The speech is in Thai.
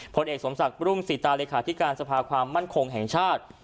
ผลเอกสมศักดิ์รุ่งศรีตาเลขาธิการสภาความมั่นคงแห่งชาติ